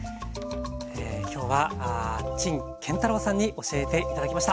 今日は陳建太郎さんに教えて頂きました。